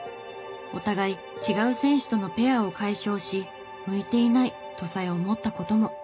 お互い違う選手とのペアを解消し「向いていない」とさえ思った事も。